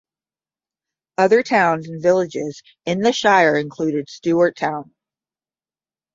Other towns and villages in the shire included Stuart Town.